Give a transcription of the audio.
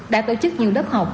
đã tổ chức nhiều lớp học